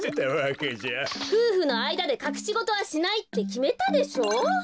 ふうふのあいだでかくしごとはしないってきめたでしょ？